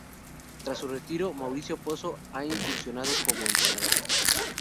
Tras su retiro, Mauricio Pozo ha incursionado como entrenador.